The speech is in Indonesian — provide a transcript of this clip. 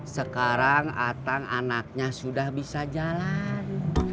sekarang atang anaknya sudah bisa jalan